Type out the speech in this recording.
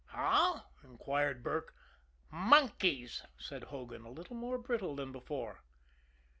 "How?" inquired Burke. "Monkeys," said Hogan a little more brittle than before.